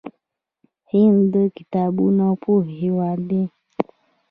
هند د کتابونو او پوهې هیواد دی.